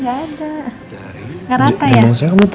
ya bekas sudah cuma nak